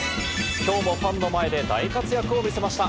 今日もファンの前で大活躍を見せました。